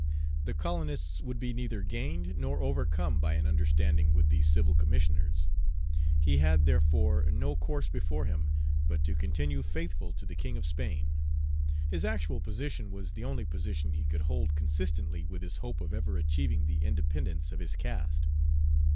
The colonists would be neither gained nor overcome by an understanding with the civil Commissioners. He had, therefore, no course before him, but to continue faithful to the King of Spain. His actual position was the only position he could hold consistently with his hope of ever achieving the independence of his caste.